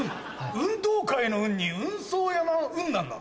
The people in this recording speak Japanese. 運動会の「運」に運送屋の「運」なんだ。